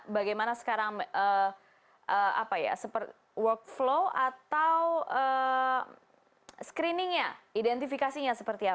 bagaimana sekarang apa ya workflow atau screening nya identifikasinya seperti apa